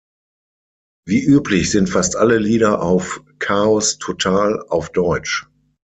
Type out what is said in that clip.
Wie üblich sind fast alle Lieder auf "Chaos Total" auf Deutsch.